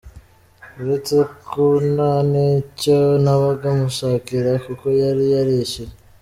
Uretse ko nta n’icyo nabaga mushakira kuko yari yarishyuye.